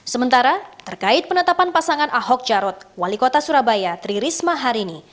sementara terkait penetapan pasangan ahok jarod wali kota surabaya tri risma harini